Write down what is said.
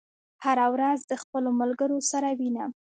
هره ورځ د خپلو ملګرو سره وینم.